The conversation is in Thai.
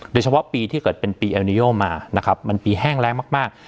โดยเฉพาะปีที่เกิดเป็นปีอันโนโยมามันปีแห้งแรงมาก